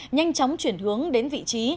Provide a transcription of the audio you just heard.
nhanh chóng chuyển hướng đến vị trí